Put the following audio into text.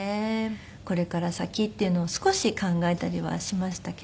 これから先っていうのを少し考えたりはしましたけど。